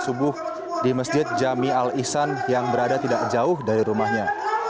sedikit kita mengulas tentang lini masa atau timeline